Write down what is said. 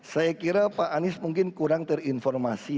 saya kira pak anies mungkin kurang terinformasi